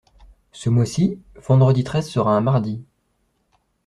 Ce mois-ci, vendredi treize sera un mardi.